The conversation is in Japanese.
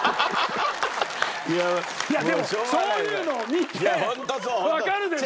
いやでもそういうのを見てわかるでしょ？